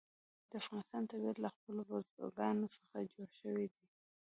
د افغانستان طبیعت له خپلو بزګانو څخه جوړ شوی دی.